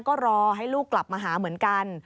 ก็รอให้ลูกกลับมาหาเหมือนกัน